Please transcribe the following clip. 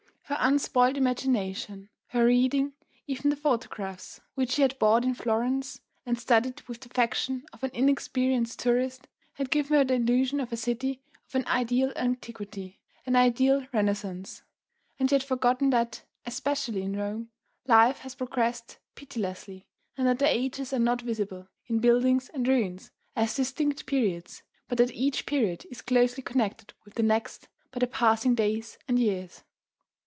Her unspoiled imagination, her reading, even the photographs which she had bought in Florence and studied with the affection of an inexperienced tourist had given her the illusion of a city of an ideal antiquity, an ideal Renascence; and she had forgotten that, especially in Rome, life has progressed pitilessly and that the ages are not visible, in buildings and ruins, as distinct periods, but that each period is closely connected with the next by the passing days and years.